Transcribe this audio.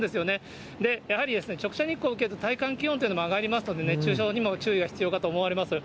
やはりですね、直射日光を受けると、体感気温というのも上がりますので、熱中症にも注意が必要かと思われます。